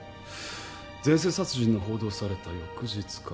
前世殺人の報道された翌日か。